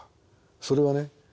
それはね